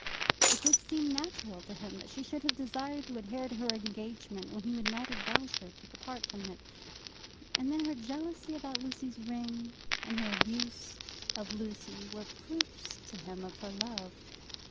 It did seem natural to him that she should have desired to adhere to her engagement when he would not advise her to depart from it. And then her jealousy about Lucy's ring, and her abuse of Lucy, were proofs to him of her love.